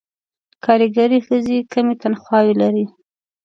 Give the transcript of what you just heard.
کارګرې ښځې کمې تنخواوې لري.